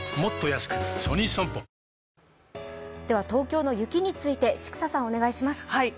東京の雪について千種さんお願いします。